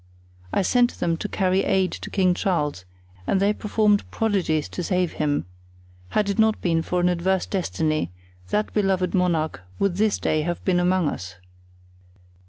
I sent them to carry aid to King Charles and they performed prodigies to save him; had it not been for an adverse destiny, that beloved monarch would this day have been among us."